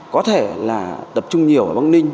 có thể là tập trung nhiều ở bắc ninh